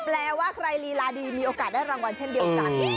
แปลว่าใครลีลาดีมีโอกาสได้รางวัลเช่นเดียวกัน